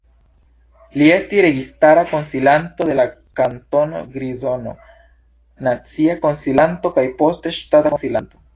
Li estis registara konsilanto de la Kantono Grizono, nacia konsilanto kaj poste ŝtata konsilanto.